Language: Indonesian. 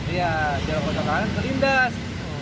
iya jalan motor kanan terlindas